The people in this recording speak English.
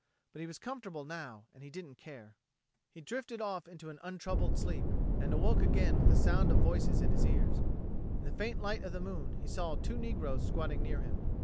But he was comfortable now, and he didn't care. He drifted off into an untroubled sleep, and awoke again with the sound of voices in his ears. In the faint light of the moon, he saw two negroes squatting near him.